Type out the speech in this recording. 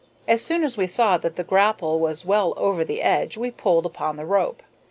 As soon as we saw that the grapple was well over the edge we pulled upon the rope.